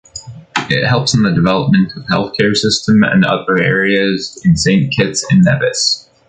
It helps in the development of the health care system and other areas in Saint Kitts and Nevis.